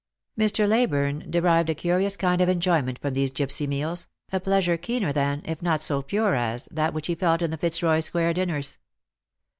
Mr. Leyburne derived a curious kind of enjoyment from these gipsy meals — a pleasure keener than, if not so pure as, that which he felt in the Fitzroy square dinners.